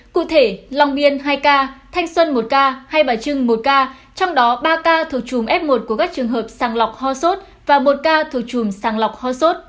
cụ thể long biên hai ca thanh xuân một ca hai bà trưng một ca trong đó ba ca thuộc chùm f một của các trường hợp sàng lọc ho sốt và một ca thuộc chùm sàng lọc ho sốt